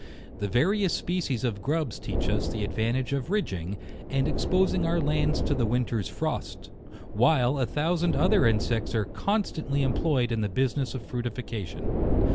The various species of grubs teach us the advantage of ridging, and exposing our lands to the winter's frost ;— while a thousand other insects are constant ly employed in the business of fructification.